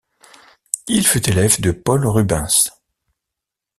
Il fut élève de Paul Rubens.